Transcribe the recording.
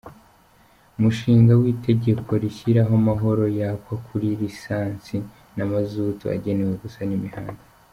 Umushinga w’Itegeko rishyiraho amahoro yakwa kuri lisansi na mazutu agenewe gusana imihanda;.